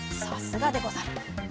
さすがでござる。